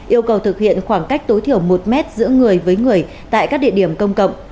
yêu cầu thực hiện khoảng cách tối thiểu một mét giữa người với người tại các địa điểm công cộng